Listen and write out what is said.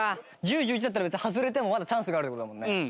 １０１１だったら別に外れてもまだチャンスがあるって事だもんね。